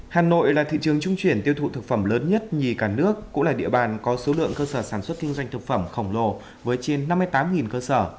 hà nội là thị trường trung chuyển tiêu thụ thực phẩm lớn nhất nhì cả nước cũng là địa bàn có số lượng cơ sở sản xuất kinh doanh thực phẩm khổng lồ với trên năm mươi tám cơ sở